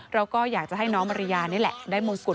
เราก็อยากจะให้น้องมาริยานี่แหละได้มงกุฎ